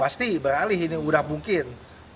pasti beralih ini udah mungkin